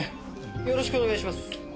よろしくお願いします。